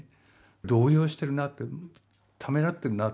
動揺してるなってためらってるなって。